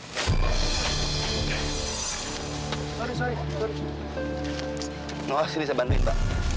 sampai jumpa di video selanjutnya